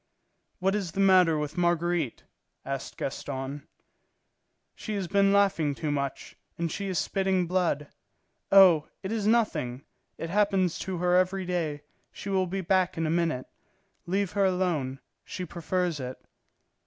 "What is the matter with Marguerite?" asked Gaston. "She has been laughing too much, and she is spitting blood. Oh, it is nothing; it happens to her every day. She will be back in a minute. Leave her alone. She prefers it."